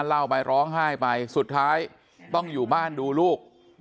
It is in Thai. เล่าไปร้องไห้ไปสุดท้ายต้องอยู่บ้านดูลูก